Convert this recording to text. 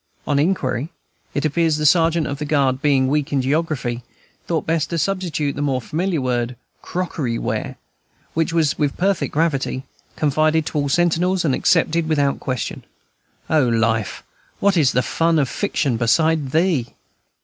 On inquiry, it appears that the sergeant of the guard, being weak in geography, thought best to substitute the more familiar word, "Crockery ware"; which was, with perfect gravity, confided to all the sentinels, and accepted without question. O life! what is the fun of fiction beside thee?